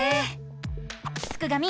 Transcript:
すくがミ